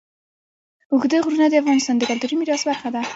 اوږده غرونه د افغانستان د کلتوري میراث برخه ده.